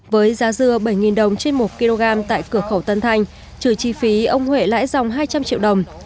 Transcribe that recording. với giá dưa bảy đồng trên một kg tại cửa khẩu tân thanh trừ chi phí ông huệ lãi dòng hai trăm linh triệu đồng